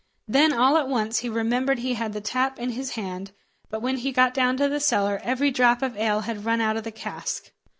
Then all at once he remembered he had the tap in his hand, but when he got down to the cellar, every drop of ale had run out of the cask.